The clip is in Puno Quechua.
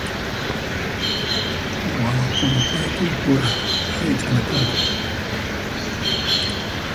Wawakuna paykuna pura hayt'anakunku.